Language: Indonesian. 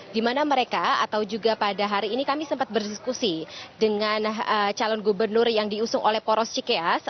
di mana mereka atau juga pada hari ini kami sempat berdiskusi dengan calon gubernur yang diusung oleh poros cikeas